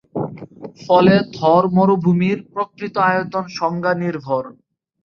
ফলে থর মরুভূমির প্রকৃত আয়তন সংজ্ঞানির্ভর।